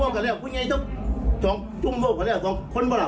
ไม่รู้ครับกฺดมุนจริงฟอร์ต่อมา